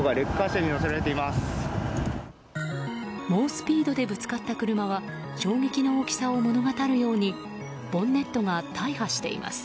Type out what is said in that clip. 猛スピードでぶつかった車は衝撃の大きさを物語るようにボンネットが大破しています。